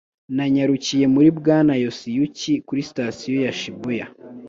Nanyarukiye muri Bwana Yosiyuki kuri sitasiyo ya Shibuya.